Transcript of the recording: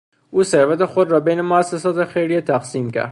او ثروت خود را بین موسسات خیریه تقسیم کرد.